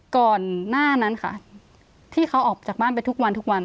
ก่อนหน้านั้นค่ะที่เขาออกจากบ้านไปทุกวันทุกวัน